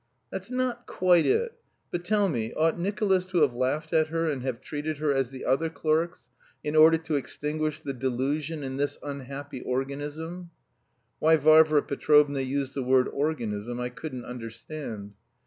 "That's not quite it; but tell me, ought Nicolas to have laughed at her and have treated her as the other clerks, in order to extinguish the delusion in this unhappy organism." (Why Varvara Petrovna used the word organism I couldn't understand.)